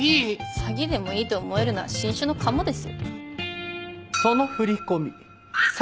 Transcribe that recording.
詐欺でもいいと思えるのは新種のカモですよ。